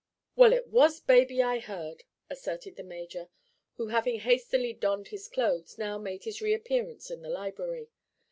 "Well, it was baby I heard," asserted the major, who, having hastily donned his clothes, now made his reappearance in the library.